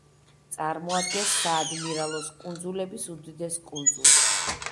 წარმოადგენს საადმირალოს კუნძულების უდიდეს კუნძულს.